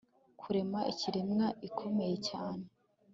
Kurema Ikiremwa ikomeye cyane